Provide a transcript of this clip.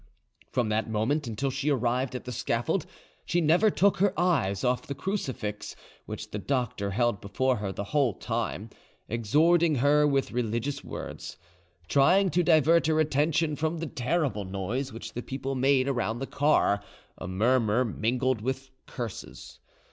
From that moment, until she arrived at the scaffold, she never took her eyes off the crucifix, which the doctor held before her the whole time, exhorting her with religious words, trying to divert her attention from the terrible noise which the people made around the car, a murmur mingled with curses.